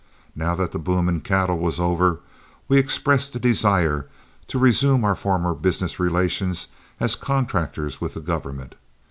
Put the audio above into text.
Now that the boom in cattle was over, we expressed a desire to resume our former business relations as contractors with the government.